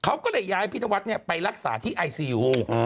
เขาก็เลยย้ายพี่นวัดไปรักษาที่ไอซียู